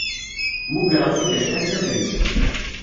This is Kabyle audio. Muggreɣ-t-id acḥal d abrid.